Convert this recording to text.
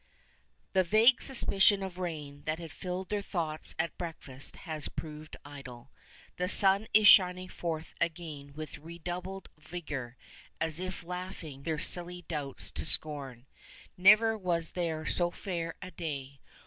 The vague suspicion of rain that had filled their thoughts at breakfast has proved idle. The sun is shining forth again with redoubled vigor, as if laughing their silly doubts to scorn. Never was there so fair a day.